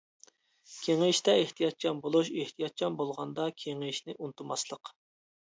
كېڭىيىشتە ئېھتىياتچان بولۇش، ئېھتىياتچان بولغاندا كېڭىيىشنى ئۇنتۇماسلىق.